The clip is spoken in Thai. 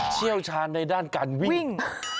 เชี่ยวชาญในด้านการวิ่ง